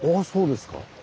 そうですか。